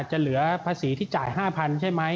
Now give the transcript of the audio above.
จะเหลือภาษีที่จ่าย๕๐๐ใช่ไหม